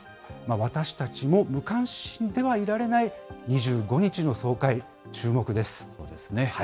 私たちも無関心ではいられない２５日の総会、注目です。